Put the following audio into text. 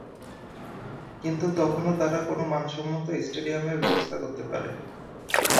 কিন্তু তখনও তারা কোন মানসম্মত স্টেডিয়ামের ব্যবস্থা করতে পারেনি।